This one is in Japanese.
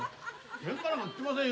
ケンカなんか売ってませんよ。